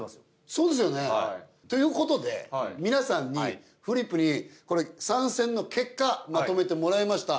そうですよね。ということで皆さんに３戦の結果まとめてもらいました。